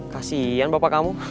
kasian bapak kamu